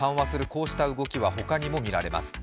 こうした動きはほかにも見られます。